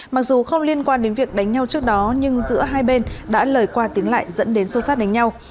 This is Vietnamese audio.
mặc dù không liên quan đến việc đánh nhau trước đó nhưng giữa hai bên đã lời qua tiếng lại dẫn đến xô sát đánh nhau